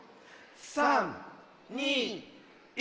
３２１。